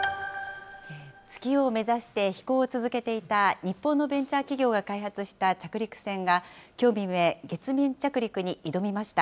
月を目指して飛行を続けていた、日本のベンチャー企業が開発した着陸船が、きょう未明、月面着陸に挑みました。